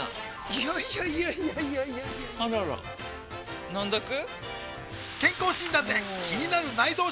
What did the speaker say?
いやいやいやいやあらら飲んどく？